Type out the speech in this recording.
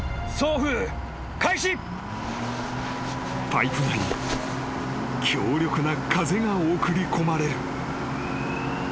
［パイプ内に強力な風が送り込まれる］